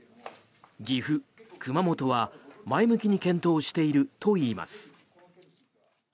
岐阜、熊本は前向きに検討しているといいます。